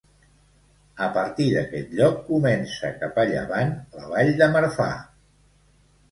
A partir d'aquest lloc comença cap a llevant la Vall de Marfà.